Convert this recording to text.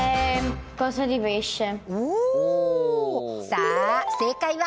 さあ正解は？